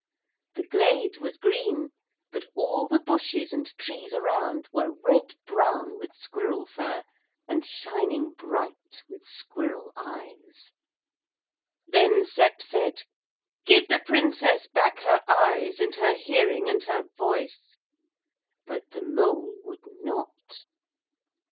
The glade was green, but all the bushes and trees around were red brown with squirrel fur, and shining bright with squirrel eyes. Then Sep said, 'Give the Princess back her eyes and her hearing and her voice.' But the mole would not.